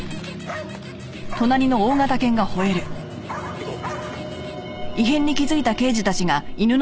行こう。